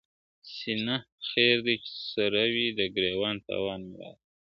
سينه خیر دی چي سره وي، د گرېوان تاوان مي راکه.